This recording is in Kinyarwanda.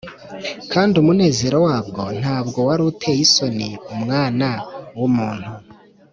,kandi umunezero wabwo ntabwo wari uteye isoni Umwana w’umuntu